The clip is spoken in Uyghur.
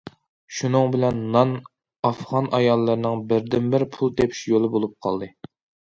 شۇنىڭ بىلەن نان ئافغان ئاياللىرىنىڭ بىردىنبىر پۇل تېپىش يولى بولۇپ قالدى.